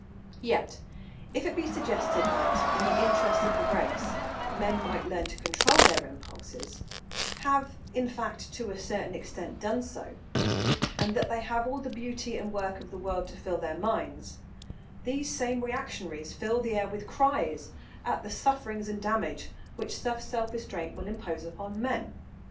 Yet if it be suggested that, in the interests of the race, men might learn to control their impulses,—have, in fact, to a certain extent done so,—and that they have all the beauty and work of the world to fill their minds, these same reactionaries fill the air with cries at the sufferings and damage which such self restraint will impose upon men.